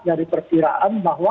dari persiraan bahwa